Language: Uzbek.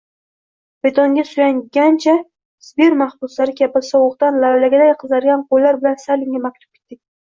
Betonga suyangancha, sibir mahbuslari kabi sovuqdan lavlagiday qizargan qo’llar bilan Stalinga maktub bitdik.